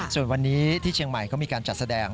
ส่วนวันนี้ที่เชียงใหม่เขามีการจัดแสดง